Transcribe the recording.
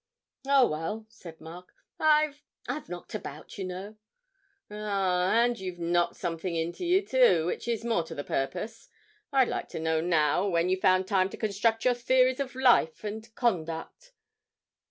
'Oh, well,' said Mark, 'I I've knocked about, you know.' 'Ah, and you've knocked something into you, too, which is more to the purpose. I'd like to know now when you found time to construct your theories of life and conduct.'